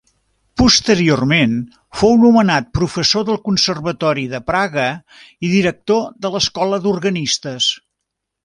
Posteriorment fou nomenat professor del Conservatori de Praga i director de l'escola d'Organistes.